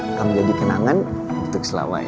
akan menjadi kenangan untuk selawai